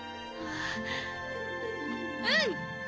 うん！